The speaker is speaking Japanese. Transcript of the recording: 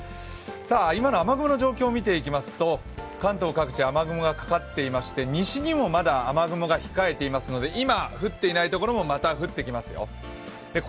今の雨雲の状況を見ていきますと、関東各地、雨雲がかかっていまして西にもまだ雨雲が控えていますので今、降っていないところもまた降ってきますよ。